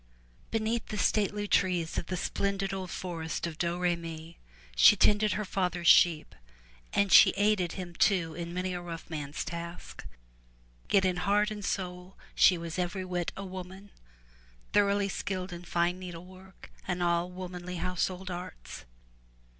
Beneath the stately trees of the splendid old forest of Domremy, she tended her father's sheep and she aided him too in many a rough man's task, yet in heart and soul she was every whit a woman, thoroughly skilled in fine needlework and all womanly household arts.